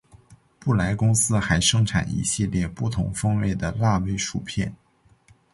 布莱公司还生产一系列不同风味的辣味薯片。